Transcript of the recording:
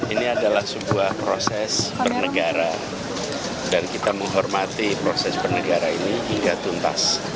ini adalah sebuah proses bernegara dan kita menghormati proses bernegara ini hingga tuntas